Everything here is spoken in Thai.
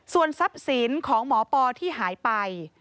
ส่วนทรัพย์สินของหมอปอที่หายไป